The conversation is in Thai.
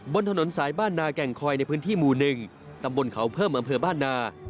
บนถนนสายบ้านนาแก่งคอยในพื้นที่หมู่๑ตำบลเขาเพิ่มอำเภอบ้านนา